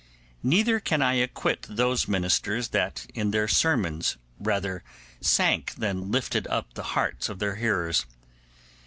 Neither can I acquit those ministers that in their sermons rather sank than lifted up the hearts of their hearers.